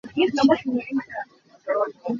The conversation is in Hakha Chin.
An aw a lai tuk.